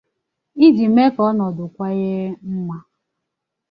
iji mee ka ọnọdụ kawanye mma.